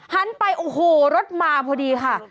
หันไปโอ้โหรถมาพอดีค่ะ